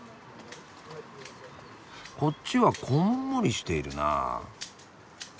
こっちはこんもりしているなあ。